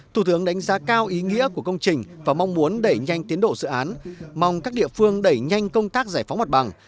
thủ tướng đánh giá cao ý nghĩa của công trình và mong muốn đẩy nhanh tiến độ dự án mong các địa phương đẩy nhanh công tác giải phóng mặt bằng